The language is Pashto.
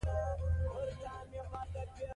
هغوی په قبر افسوس وکړ.